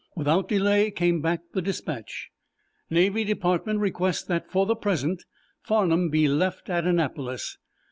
Without delay came back the dispatch: "Navy Department requests that for present 'Farnum' be left at Annapolis.